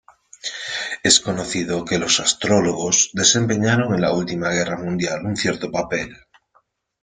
Es conocido que los astrólogos desempeñaron en la última guerra mundial un cierto papel.